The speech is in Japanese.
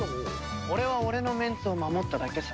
俺は俺のメンツを守っただけさ。